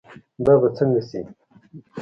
دا به سنګه شي